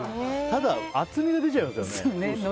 厚みが出ちゃいますよね。